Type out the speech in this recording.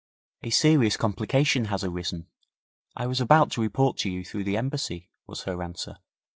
'A serious complication has arisen. I was about to report to you through the Embassy,' was her answer.